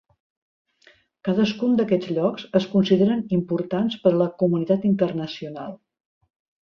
Cadascun d'aquests llocs es consideren importants per a la comunitat internacional.